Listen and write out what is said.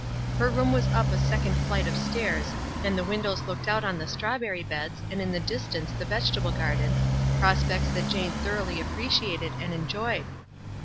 Her room was up a second flight of stairs, and the windows looked out on the straw berry beds, and in the distance the vegetable garden, prospects that Jane thoroughly appre ciated and enjoyed.